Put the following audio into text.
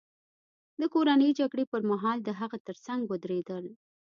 د کورنۍ جګړې پرمهال د هغه ترڅنګ ودرېدل.